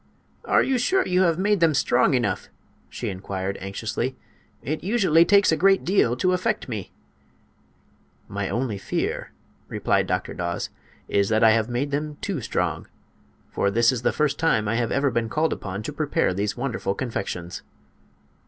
"Are you sure you have made them strong enough?" she inquired, anxiously; "it usually takes a great deal to affect me." "My only fear," replied Dr. Daws, "is that I have made them too strong. For this is the first time I have ever been called upon to prepare these wonderful confections."